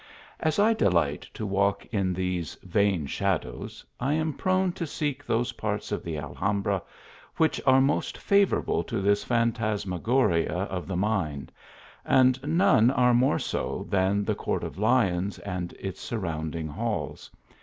As I delight to walk in these "vain shadows," I am prone to seek those parts of the Alhambra which are most favourable to this phantasmagoria of the mind , and none are more so than the Court of Li ons and its surrounding halls.